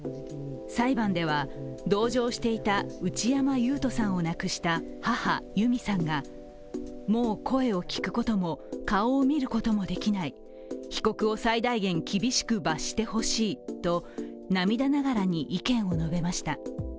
裁判では同乗していた内山裕斗さんを亡くした母・由美さんがもう声を聞くことも顔を見ることもできない被告を最大限厳しく罰してほしいと涙ながらに意見を述べました。